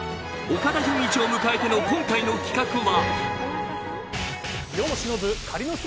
岡田准一を迎えての本日の進行は。